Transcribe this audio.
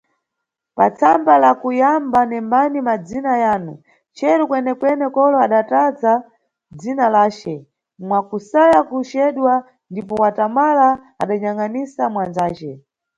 Pa tsamba la kuyamba nembani madzina yanu, cheru Kwenekwene, kolo adatatalaza dzina lace mwa kusaya kuceduwa, ndipo watamala adanyangʼnisa mwanzace.